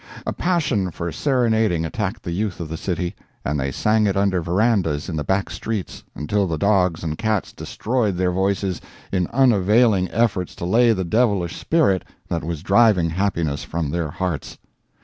A passion for serenading attacked the youth of the city, and they sang it under verandahs in the back streets until the dogs and cats destroyed their voices in unavailing efforts to lay the devilish spirit that was driving happiness from their hearts.